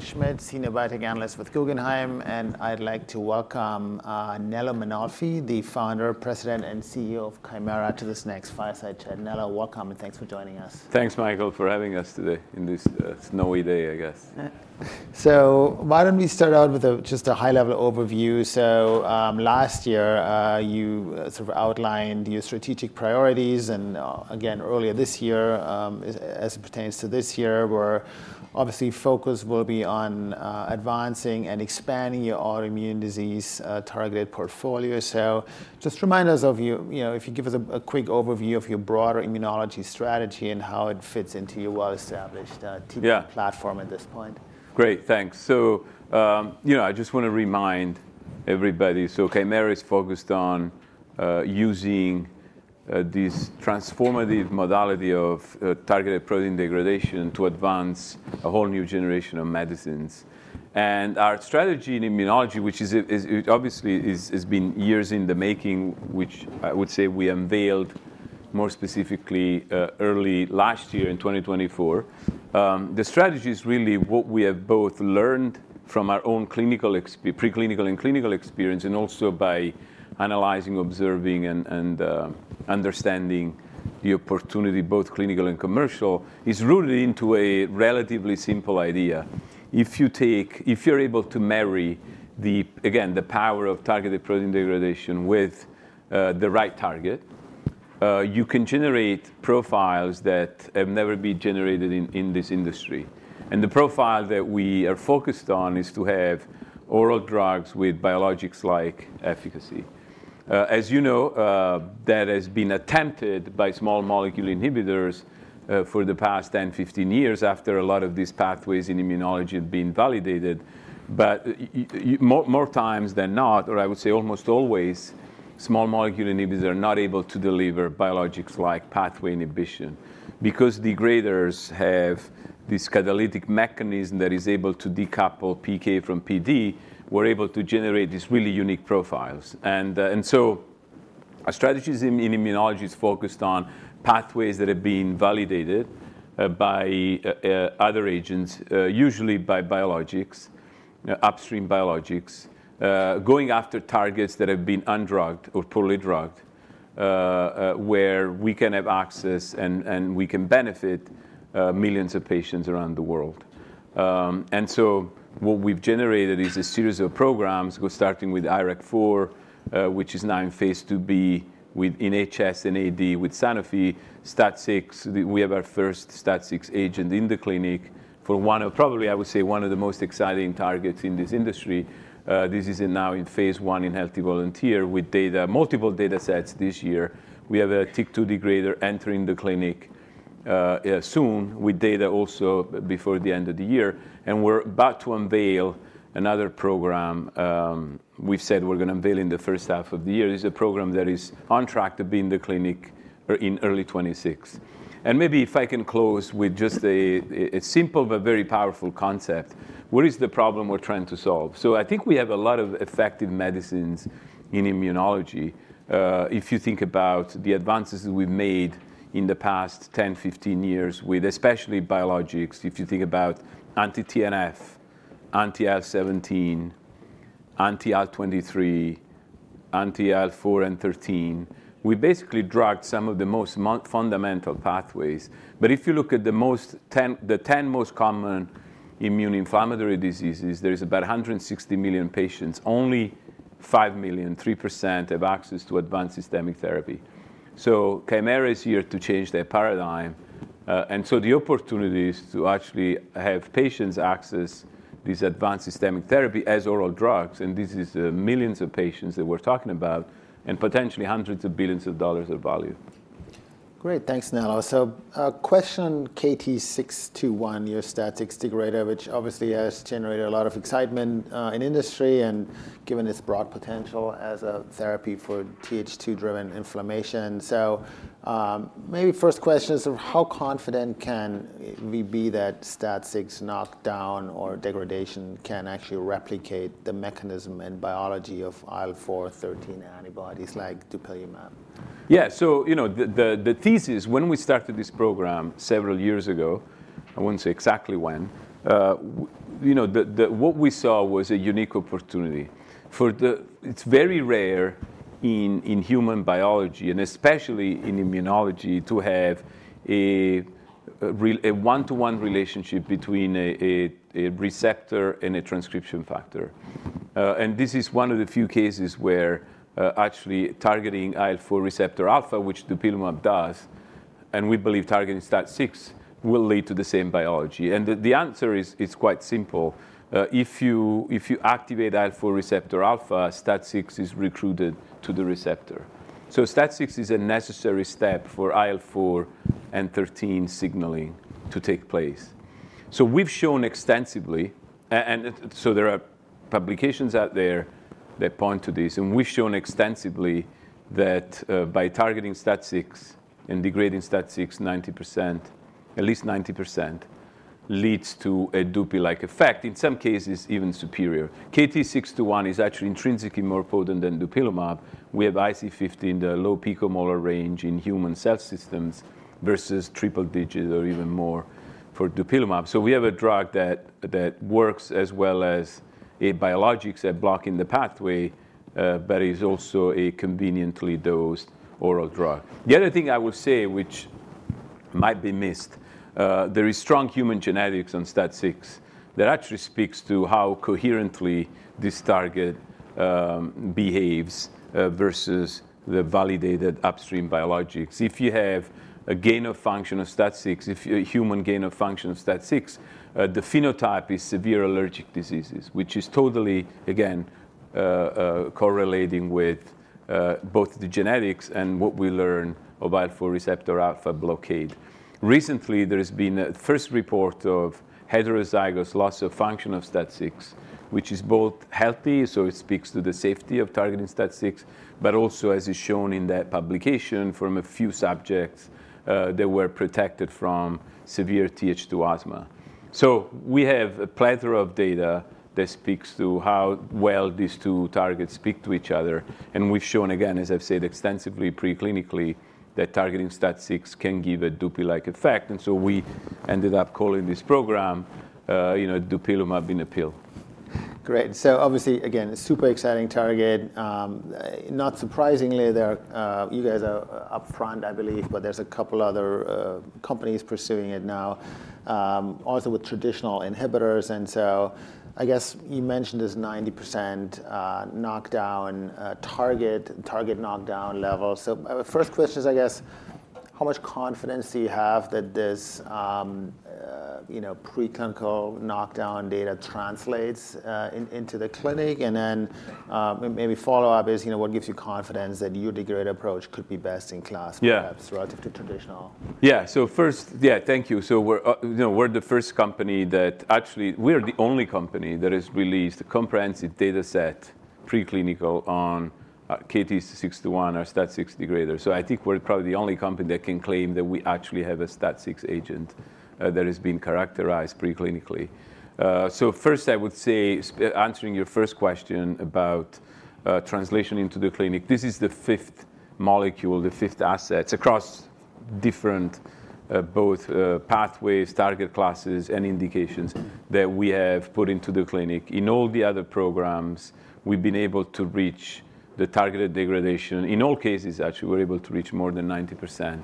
Michael Schmidt, Senior Biotechnology Analyst with Guggenheim, and I'd like to welcome Nello Mainolfi, the Founder, President, and CEO of Kymera, to this next fireside chat. Nello, welcome, and thanks for joining us. Thanks, Michael, for having us today in this snowy day, I guess. So why don't we start out with just a high-level overview? So last year, you sort of outlined your strategic priorities, and again, earlier this year, as it pertains to this year, where obviously focus will be on advancing and expanding your autoimmune disease target portfolio. So just remind us of, if you give us a quick overview of your broader immunology strategy and how it fits into your well-established TPD platform at this point. Great, thanks. So I just want to remind everybody, so Kymera is focused on using this transformative modality of targeted protein degradation to advance a whole new generation of medicines. And our strategy in immunology, which obviously has been years in the making, which I would say we unveiled more specifically early last year in 2024, the strategy is really what we have both learned from our own preclinical and clinical experience, and also by analyzing, observing, and understanding the opportunity, both clinical and commercial, is rooted into a relatively simple idea. If you are able to marry, again, the power of targeted protein degradation with the right target, you can generate profiles that have never been generated in this industry. And the profile that we are focused on is to have oral drugs with biologics-like efficacy. As you know, that has been attempted by small molecule inhibitors for the past 10, 15 years after a lot of these pathways in immunology have been validated. But more times than not, or I would say almost always, small molecule inhibitors are not able to deliver biologics-like pathway inhibition. Because degraders have this catalytic mechanism that is able to decouple PK from PD, we're able to generate these really unique profiles. And so our strategies in immunology are focused on pathways that have been validated by other agents, usually by biologics, upstream biologics, going after targets that have been undrugged or poorly drugged, where we can have access and we can benefit millions of patients around the world. And so what we've generated is a series of programs, starting with IRAK4, which is now in phase IIb in HS and AD with Sanofi. STAT6, we have our first STAT6 agent in the clinic for probably, I would say, one of the most exciting targets in this industry. This is now in phase I in healthy volunteers with multiple data sets this year. We have a TYK2 degrader entering the clinic soon with data also before the end of the year. And we're about to unveil another program. We've said we're going to unveil in the first half of the year. This is a program that is on track to be in the clinic in early 2026. And maybe if I can close with just a simple but very powerful concept, what is the problem we're trying to solve? So I think we have a lot of effective medicines in immunology. If you think about the advances we've made in the past 10, 15 years with especially biologics, if you think about anti-IL-17, anti-IL-23, anti-IL-4 and 13, we basically drugged some of the most fundamental pathways. But if you look at the 10 most common immune inflammatory diseases, there are about 160 million patients. Only 5 million, 3%, have access to advanced systemic therapy. So Kymera is here to change that paradigm. And so the opportunity is to actually have patients access this advanced systemic therapy as oral drugs. And this is millions of patients that we're talking about and potentially hundreds of billions of dollars of value. Great, thanks, Nello. So question KT-621, your STAT6 degrader, which obviously has generated a lot of excitement in industry and given its broad potential as a therapy for Th2-driven inflammation. So maybe first question is, how confident can we be that STAT6 knockdown or degradation can actually replicate the mechanism and biology of IL-4/13 antibodies like dupilumab? Yeah, so the thesis, when we started this program several years ago, I wouldn't say exactly when, what we saw was a unique opportunity. It's very rare in human biology, and especially in immunology, to have a one-to-one relationship between a receptor and a transcription factor. And this is one of the few cases where actually targeting IL-4 receptor alpha, which dupilumab does, and we believe targeting STAT6 will lead to the same biology. And the answer is quite simple. If you activate IL-4 receptor alpha, STAT6 is recruited to the receptor. So STAT6 is a necessary step for IL-4 and IL-13 signaling to take place. So we've shown extensively, and so there are publications out there that point to this, and we've shown extensively that by targeting STAT6 and degrading STAT6, at least 90%, leads to a dupi-like effect, in some cases even superior. KT-621 is actually intrinsically more potent than dupilumab. We have IC50 in the low picomolar range in human cell systems versus triple digit or even more for dupilumab. So we have a drug that works as well as a biologics that block in the pathway, but is also a conveniently dosed oral drug. The other thing I will say, which might be missed, there is strong human genetics on STAT6 that actually speaks to how coherently this target behaves versus the validated upstream biologics. If you have a gain-of-function of STAT6, if you have a human gain-of-function of STAT6, the phenotype is severe allergic diseases, which is totally, again, correlating with both the genetics and what we learn about for receptor alpha blockade. Recently, there has been a first report of heterozygous loss of function of STAT6, which is both healthy, so it speaks to the safety of targeting STAT6, but also, as is shown in that publication, from a few subjects that were protected from severe Th2 asthma so we have a plethora of data that speaks to how well these two targets speak to each other and we've shown, again, as I've said extensively preclinically, that targeting STAT6 can give a dupi-like effect and so we ended up calling this program, dupilumab in a pill. Great. So obviously, again, a super exciting target. Not surprisingly, you guys are upfront, I believe, but there's a couple of other companies pursuing it now, also with traditional inhibitors. And so I guess you mentioned this 90% knockdown target knockdown level. So first question is, I guess, how much confidence do you have that this preclinical knockdown data translates into the clinic? And then maybe follow-up is, what gives you confidence that your degrader approach could be best in class, perhaps, relative to traditional? Yeah. So first, yeah, thank you. So we're the first company that actually, we are the only company that has released a comprehensive data set preclinical on KT-621 or STAT6 degraders. So I think we're probably the only company that can claim that we actually have a STAT6 agent that has been characterized preclinically. So first, I would say, answering your first question about translation into the clinic, this is the fifth molecule, the fifth assets across different both pathways, target classes, and indications that we have put into the clinic. In all the other programs, we've been able to reach the targeted degradation. In all cases, actually, we're able to reach more than 90%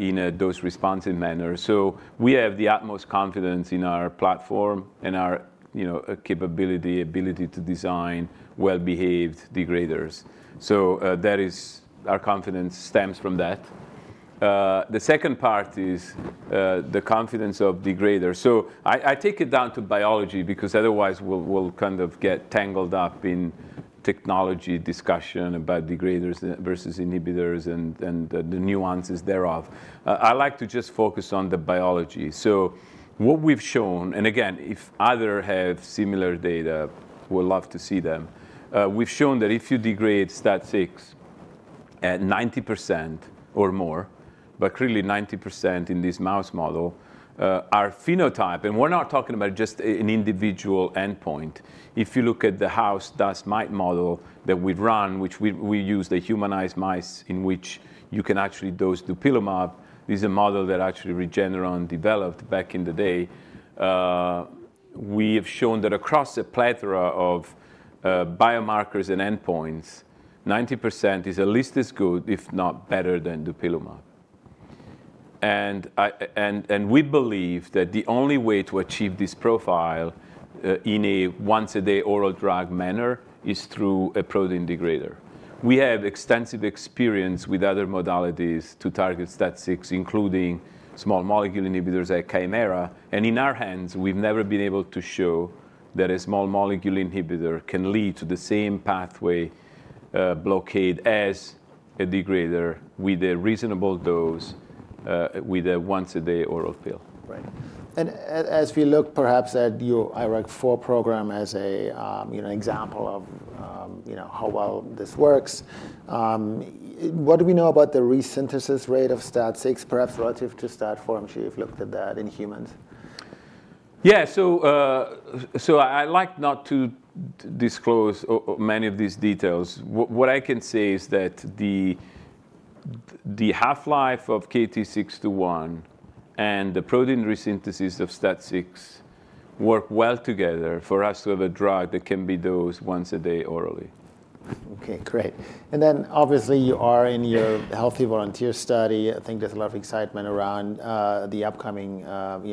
in a dose-responsive manner. So we have the utmost confidence in our platform and our capability, ability to design well-behaved degraders. So our confidence stems from that. The second part is the confidence of degraders. So I take it down to biology because otherwise we'll kind of get tangled up in technology discussion about degraders versus inhibitors and the nuances thereof. I like to just focus on the biology. So what we've shown, and again, if others have similar data, we'd love to see them. We've shown that if you degrade STAT6 at 90% or more, but clearly 90% in this mouse model, our phenotype, and we're not talking about just an individual endpoint. If you look at the house dust mite model that we've run, which we use the humanized mice in which you can actually dose dupilumab, this is a model that actually Regeneron developed back in the day. We have shown that across a plethora of biomarkers and endpoints, 90% is at least as good, if not better, than dupilumab. We believe that the only way to achieve this profile in a once-a-day oral drug manner is through a protein degrader. We have extensive experience with other modalities to target STAT6, including small molecule inhibitors like Kymera. In our hands, we've never been able to show that a small molecule inhibitor can lead to the same pathway blockade as a degrader with a reasonable dose with a once-a-day oral pill. Right. And as we look perhaps at your IRAK4 program as an example of how well this works, what do we know about the resynthesis rate of STAT6, perhaps relative to STAT4, I'm sure you've looked at that in humans? Yeah, so I like not to disclose many of these details. What I can say is that the half-life of KT-621 and the protein resynthesis of STAT6 work well together for us to have a drug that can be dosed once a day orally. Okay, great. And then obviously, you are in your healthy volunteer study. I think there's a lot of excitement around the upcoming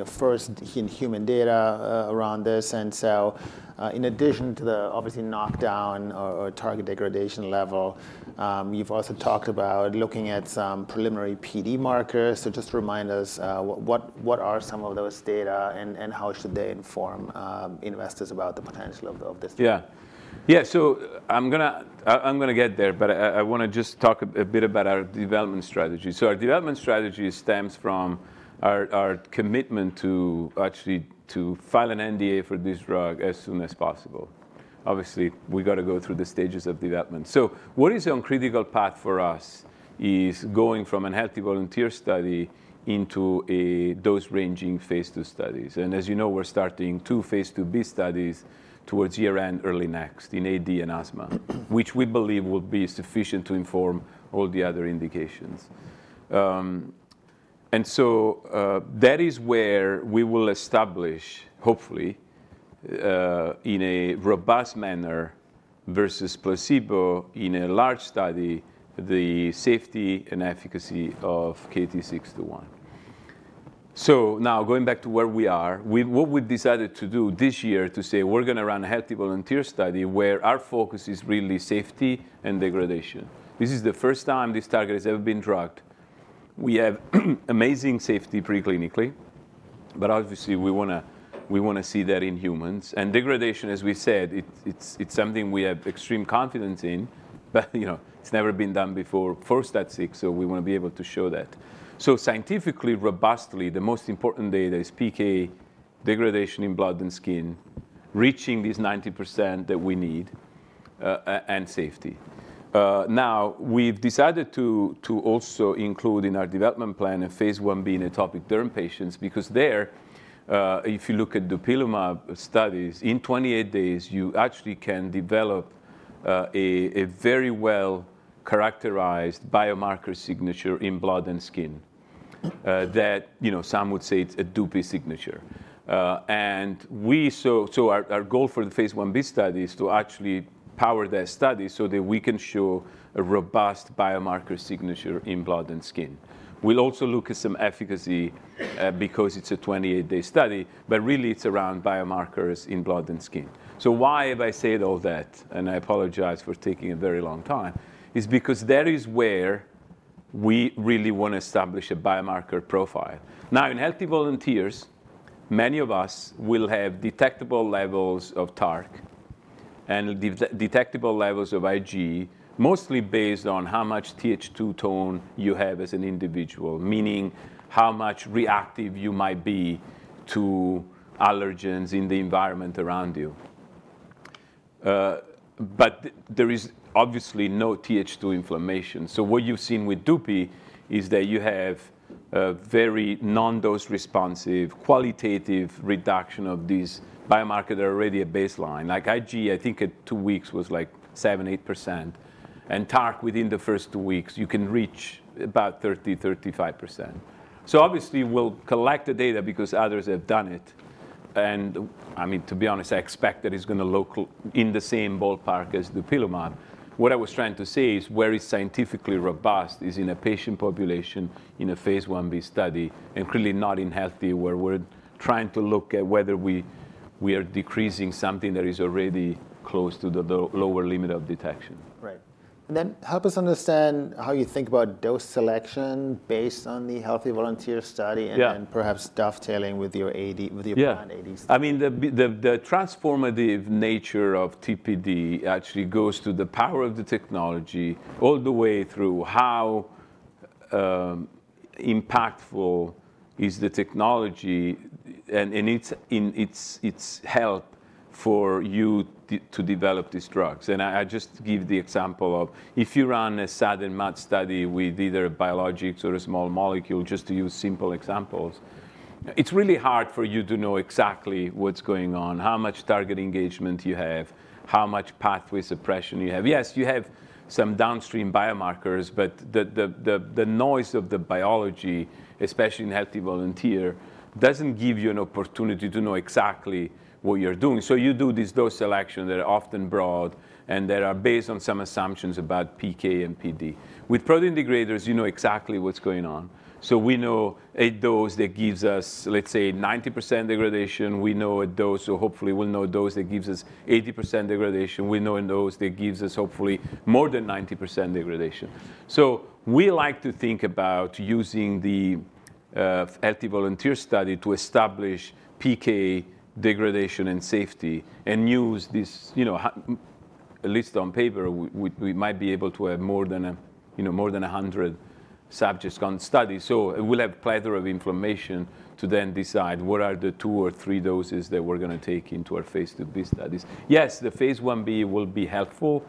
first-in-human data around this. And so in addition to the, obviously, knockdown or target degradation level, you've also talked about looking at some preliminary PD markers. So just remind us, what are some of those data and how should they inform investors about the potential of this? Yeah. Yeah, so I'm going to get there, but I want to just talk a bit about our development strategy. So our development strategy stems from our commitment to actually file an NDA for this drug as soon as possible. Obviously, we've got to go through the stages of development. So what is on critical path for us is going from a healthy volunteer study into a dose-ranging phase II studies. And as you know, we're starting two phase IIb studies towards year-end early next in AD and asthma, which we believe will be sufficient to inform all the other indications. And so that is where we will establish, hopefully, in a robust manner versus placebo in a large study, the safety and efficacy of KT-621. So now going back to where we are, what we've decided to do this year to say we're going to run a healthy volunteer study where our focus is really safety and degradation. This is the first time this target has ever been drugged. We have amazing safety preclinically, but obviously, we want to see that in humans, and degradation, as we said, it's something we have extreme confidence in, but it's never been done before for STAT6, so we want to be able to show that, so scientifically, robustly, the most important data is PK degradation in blood and skin, reaching this 90% that we need, and safety. Now, we've decided to also include in our development plan a phase 1b in atopic derm patients because there, if you look at dupilumab studies, in 28 days, you actually can develop a very well-characterized biomarker signature in blood and skin that some would say it's a dupi signature. And so our goal for the phase 1b study is to actually power that study so that we can show a robust biomarker signature in blood and skin. We'll also look at some efficacy because it's a 28-day study, but really, it's around biomarkers in blood and skin, so why have I said all that? And I apologize for taking a very long time. It's because that is where we really want to establish a biomarker profile. Now, in healthy volunteers, many of us will have detectable levels of TARC and detectable levels of IgE, mostly based on how much Th2 tone you have as an individual, meaning how much reactive you might be to allergens in the environment around you. But there is obviously no Th2 inflammation. So what you've seen with dupi is that you have a very non-dose-responsive qualitative reduction of these biomarkers that are already at baseline. Like IgE, I think at two weeks was like 7%, 8%. And TARC within the first two weeks, you can reach about 30%, 35%. So obviously, we'll collect the data because others have done it. And I mean, to be honest, I expect that it's going to look in the same ballpark as dupilumab. What I was trying to say is where it's scientifically robust is in a patient population in a phase 1b study and clearly not in healthy where we're trying to look at whether we are decreasing something that is already close to the lower limit of detection. Right. And then help us understand how you think about dose selection based on the healthy volunteer study and then perhaps dovetailing with your planned AD study? Yeah. I mean, the transformative nature of TPD actually goes to the power of the technology all the way through how impactful is the technology and its help for you to develop these drugs, and I just give the example of if you run a SAD and MAD study with either a biologics or a small molecule, just to use simple examples, it's really hard for you to know exactly what's going on, how much target engagement you have, how much pathway suppression you have. Yes, you have some downstream biomarkers, but the noise of the biology, especially in healthy volunteer, doesn't give you an opportunity to know exactly what you're doing. So you do this dose selection that are often broad and that are based on some assumptions about PK and PD. With protein degraders, you know exactly what's going on. So we know a dose that gives us, let's say, 90% degradation. We know a dose, or hopefully, we'll know a dose that gives us 80% degradation. We know a dose that gives us hopefully more than 90% degradation. So we like to think about using the healthy volunteer study to establish PK degradation and safety, and use this. At least on paper, we might be able to have more than 100 subjects on study. So we'll have a plethora of information to then decide what are the two or three doses that we're going to take into our phase IIb studies. Yes, the phase Ib will be helpful,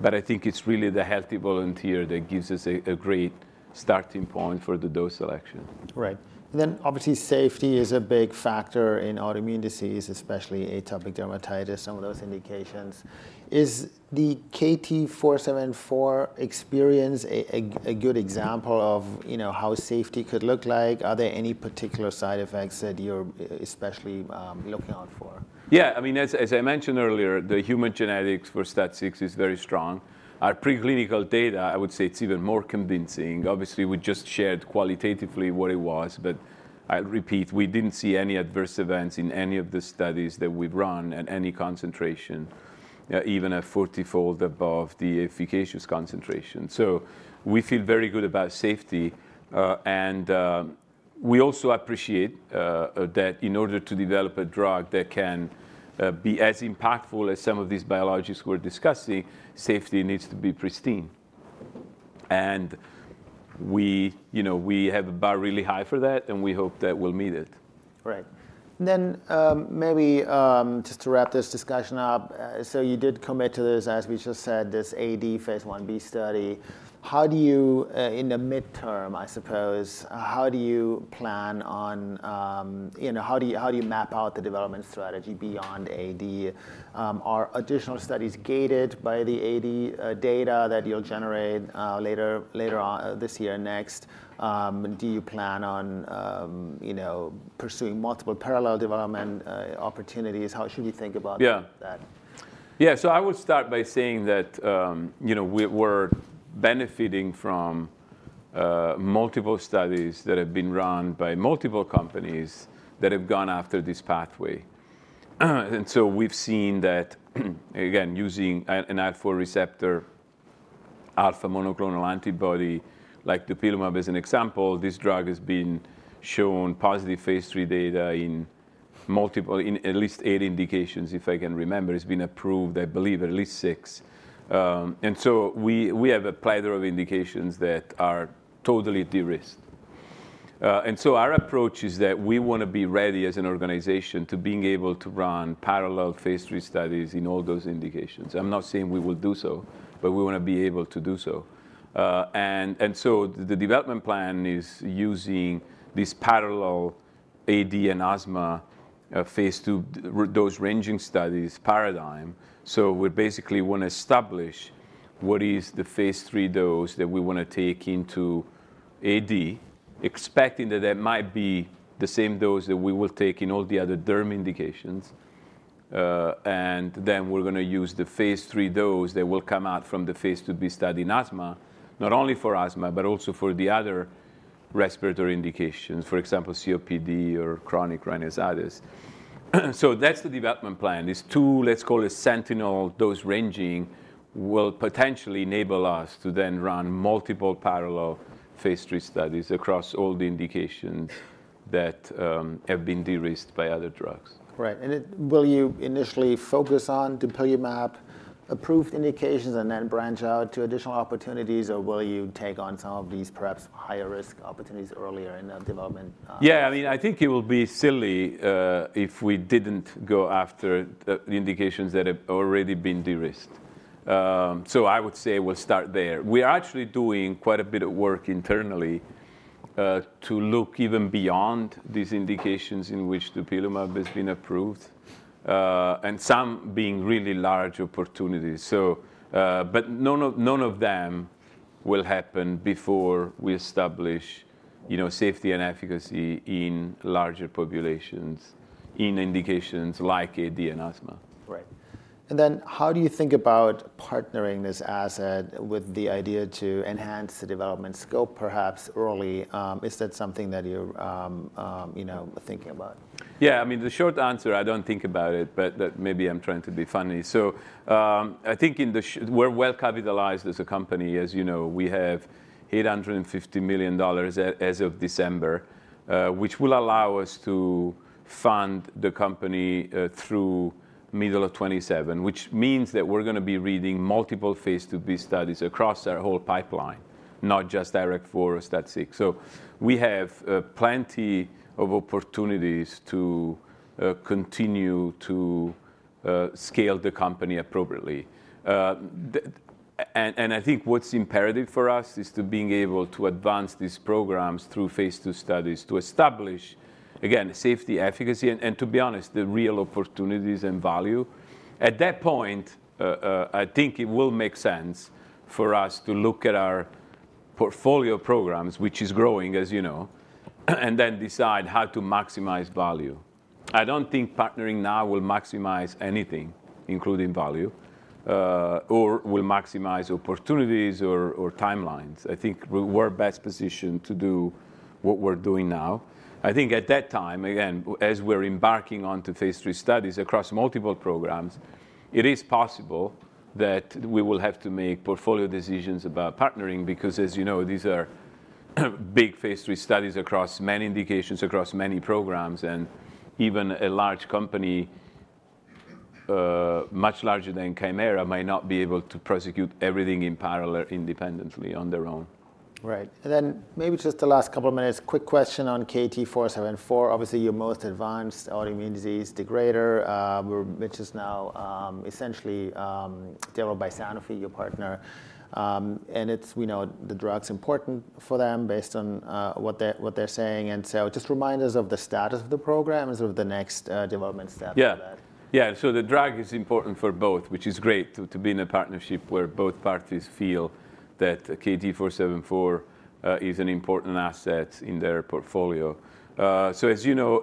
but I think it's really the healthy volunteer that gives us a great starting point for the dose selection. Right. And then obviously, safety is a big factor in autoimmune disease, especially atopic dermatitis, some of those indications. Is the KT-474 experience a good example of how safety could look like? Are there any particular side effects that you're especially looking out for? Yeah. I mean, as I mentioned earlier, the human genetics for STAT6 is very strong. Our preclinical data, I would say it's even more convincing. Obviously, we just shared qualitatively what it was, but I repeat, we didn't see any adverse events in any of the studies that we've run at any concentration, even at 40-fold above the efficacious concentration, so we feel very good about safety, and we also appreciate that in order to develop a drug that can be as impactful as some of these biologics we're discussing, safety needs to be pristine, and we have a bar really high for that, and we hope that we'll meet it. Right, and then maybe just to wrap this discussion up, so you did commit to this, as we just said, this AD phase 1b study. How do you, in the midterm, I suppose, plan on mapping out the development strategy beyond AD? Are additional studies gated by the AD data that you'll generate later on this year and next? Do you plan on pursuing multiple parallel development opportunities? How should we think about that? Yeah. Yeah, so I would start by saying that we're benefiting from multiple studies that have been run by multiple companies that have gone after this pathway. And so we've seen that, again, using an IL-4 receptor alpha monoclonal antibody like dupilumab as an example, this drug has been shown positive phase III data in at least eight indications, if I can remember. It's been approved, I believe, at least six. And so we have a plethora of indications that are totally de-risked. Our approach is that we want to be ready as an organization to being able to run parallel phase III studies in all those indications. I'm not saying we will do so, but we want to be able to do so. The development plan is using this parallel AD and asthma phase II dose-ranging studies paradigm. So we basically want to establish what is the phase III dose that we want to take into AD, expecting that that might be the same dose that we will take in all the other derm indications. And then we're going to use the phase III dose that will come out from the phase IIB study in asthma, not only for asthma, but also for the other respiratory indications, for example, COPD or chronic rhinosinusitis. So that's the development plan. These two, let's call it sentinel dose ranging, will potentially enable us to then run multiple parallel phase III studies across all the indications that have been de-risked by other drugs. Right. And will you initially focus on dupilumab-approved indications and then branch out to additional opportunities, or will you take on some of these perhaps higher-risk opportunities earlier in the development? Yeah. I mean, I think it will be silly if we didn't go after the indications that have already been de-risked. So I would say we'll start there. We are actually doing quite a bit of work internally to look even beyond these indications in which dupilumab has been approved and some being really large opportunities. But none of them will happen before we establish safety and efficacy in larger populations in indications like AD and asthma. Right, and then how do you think about partnering this asset with the idea to enhance the development scope, perhaps early? Is that something that you're thinking about? Yeah. I mean, the short answer, I don't think about it, but maybe I'm trying to be funny. So I think we're well capitalized as a company. As you know, we have $850 million as of December, which will allow us to fund the company through middle of 2027, which means that we're going to be running multiple phase IIb studies across our whole pipeline, not just direct for STAT6. So we have plenty of opportunities to continue to scale the company appropriately. And I think what's imperative for us is to be able to advance these programs through phase II studies to establish, again, safety, efficacy, and to be honest, the real opportunities and value. At that point, I think it will make sense for us to look at our portfolio programs, which is growing, as you know, and then decide how to maximize value. I don't think partnering now will maximize anything, including value, or will maximize opportunities or timelines. I think we're best positioned to do what we're doing now. I think at that time, again, as we're embarking onto phase III studies across multiple programs, it is possible that we will have to make portfolio decisions about partnering because, as you know, these are big phase III studies across many indications, across many programs, and even a large company, much larger than Kymera, might not be able to prosecute everything in parallel independently on their own. Right. And then maybe just the last couple of minutes, quick question on KT-474. Obviously, your most advanced autoimmune disease degrader, which is now essentially developed by Sanofi, your partner. And the drug's important for them based on what they're saying. And so just remind us of the status of the program and sort of the next development step for that. Yeah. Yeah. The drug is important for both, which is great to be in a partnership where both parties feel that KT-474 is an important asset in their portfolio. As you know,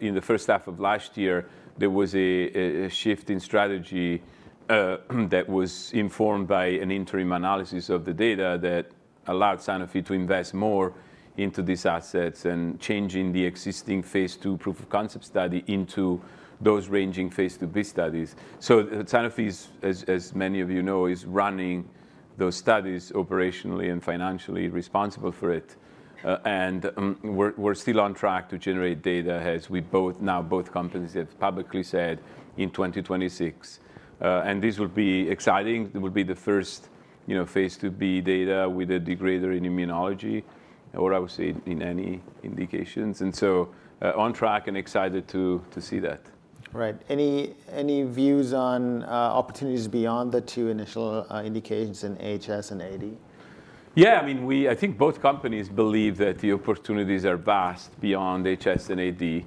in the first half of last year, there was a shift in strategy that was informed by an interim analysis of the data that allowed Sanofi to invest more into these assets and changing the existing phase II proof of concept study into dose-ranging phase IIb studies. Sanofi, as many of you know, is running those studies operationally and financially responsible for it. We're still on track to generate data as we both know, both companies have publicly said in 2026. This will be exciting. It will be the first phase IIb data with a degrader in immunology, or I would say in any indications. And so on track and excited to see that. Right. Any views on opportunities beyond the two initial indications in HS and AD? Yeah. I mean, I think both companies believe that the opportunities are vast beyond HS and AD.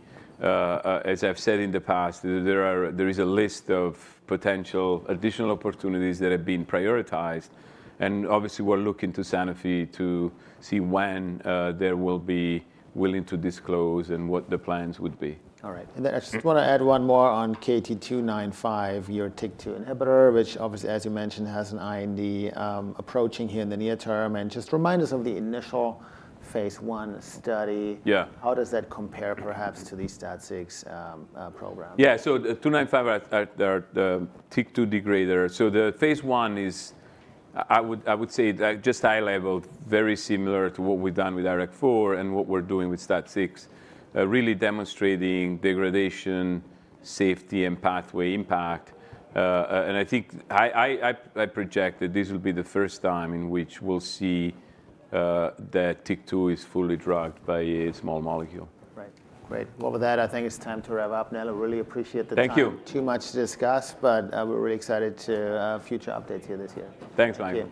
As I've said in the past, there is a list of potential additional opportunities that have been prioritized, and obviously, we're looking to Sanofi to see when they will be willing to disclose and what the plans would be. All right. And then I just want to add one more on KT-295, your TYK2 inhibitor, which obviously, as you mentioned, has an IND approaching here in the near term. And just remind us of the initial phase I study. How does that compare perhaps to the STAT6 program? Yeah, so the 295, the TYK2 degrader. The phase I is, I would say, just high level, very similar to what we've done with IRAK4 and what we're doing with STAT6, really demonstrating degradation, safety, and pathway impact, and I think I project that this will be the first time in which we'll see that TYK2 is fully drugged by a small molecule. Right. Great. Well, with that, I think it's time to wrap up now. I really appreciate the time. Thank you. Too much to discuss, but we're really excited to have future updates here this year. Thanks, Michael.